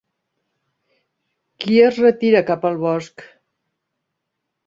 Qui es retira cap al bosc?